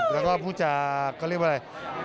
แล้วก็พูดจากเขาเรียกว่าอะไร